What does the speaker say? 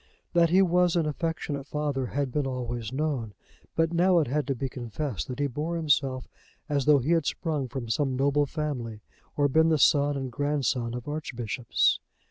That he was an affectionate father had been always known; but now it had to be confessed that he bore himself as though he had sprung from some noble family or been the son and grandson of archbishops.